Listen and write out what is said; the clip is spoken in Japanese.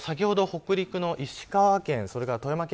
北陸の石川県それから富山県